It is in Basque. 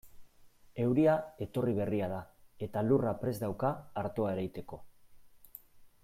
Euria etorri berria da eta lurra prest dauka artoa ereiteko.